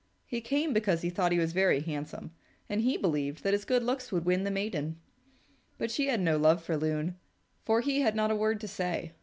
He came because he thought he was very handsome, and he believed that his good looks would win the maiden. But she had no love for Loon, for he had not a word to say.